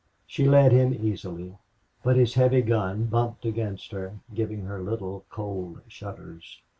She led him easily. But his heavy gun bumped against her, giving her little cold shudders.